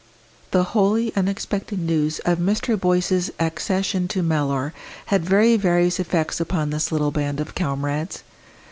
The wholly unexpected news of Mr. Boyce's accession to Mellor had very various effects upon this little band of comrades.